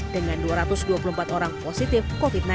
dengan dua ratus dua puluh empat orang positif covid sembilan belas